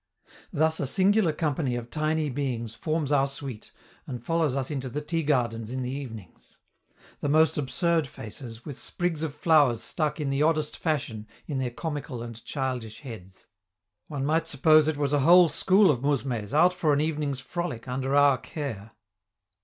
Thus a singular company of tiny beings forms our suite and follows us into the tea gardens in the evenings! The most absurd faces, with sprigs of flowers stuck in the oddest fashion in their comical and childish heads. One might suppose it was a whole school of mousmes out for an evening's frolic under our care.